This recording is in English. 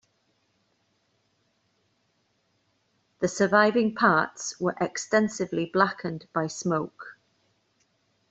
The surviving parts were extensively blackened by smoke.